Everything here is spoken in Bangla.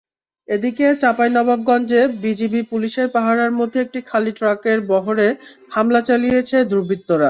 এদিকে চাঁপাইনবাবগঞ্জে বিজিবি-পুলিশের পাহারার মধ্যে একটি খালি ট্রাকের বহরে হামলা চালিয়েছে দুর্বৃত্তরা।